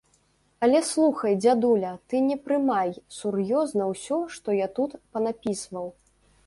Але слухай, дзядуля, ты не прымай сур'ёзна ўсё, што я тут панапісваў.